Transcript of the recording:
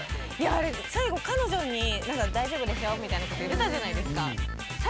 最後彼女に大丈夫でしょ？みたいなこと言ってたじゃないですか。